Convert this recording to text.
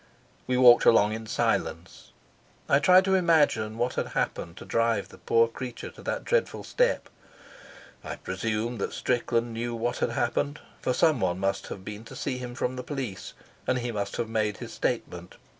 We walked along in silence. I tried to imagine what had happened to drive the poor creature to that dreadful step. I presumed that Strickland knew what had happened, for someone must have been to see him from the police, and he must have made his statement.